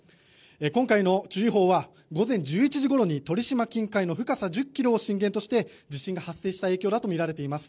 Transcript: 今回の注意報は午前１１時ごろに鳥島近海の深さ１０ｋｍを震源として地震が発生した影響だとみられています。